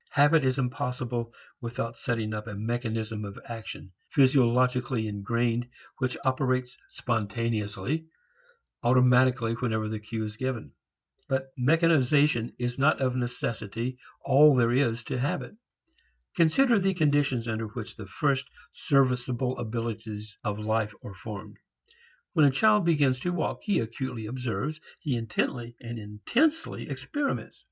Habit is impossible without setting up a mechanism of action, physiologically engrained, which operates "spontaneously," automatically, whenever the cue is given. But mechanization is not of necessity all there is to habit. Consider the conditions under which the first serviceable abilities of life are formed. When a child begins to walk he acutely observes, he intently and intensely experiments.